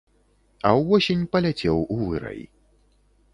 А ўвосень паляцеў у вырай.